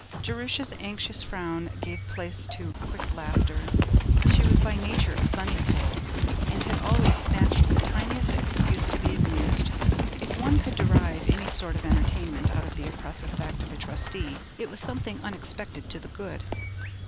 Jerusha's anxious frown gave place to quick laughter. She was by nature a sunny soul, and had always snatched the tiniest excuse to be amused. If one could derive any sort of entertainment out of the oppressive fact of a Trustee, it was something unexpected to the good.